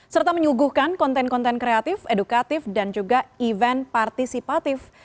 serta menyuguhkan konten konten kreatif edukatif dan juga event partisipatif